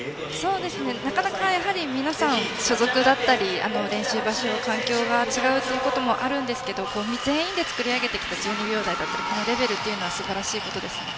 なかなか皆さん所属だったり、練習場所や環境が違うこともあるんですが全員で作り上げてきた１２秒台というレベルというのはすばらしいことですね。